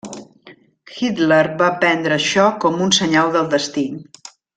Hitler va prendre això com un senyal del destí.